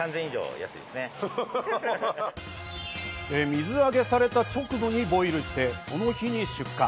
水揚げされた直後にボイルしてその日に出荷。